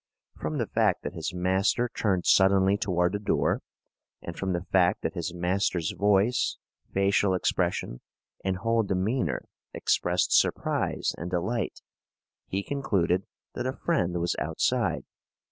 From the fact that his master turned suddenly toward the door, and from the fact that his master's voice, facial expression, and whole demeanour expressed surprise and delight, he concluded that a friend was outside.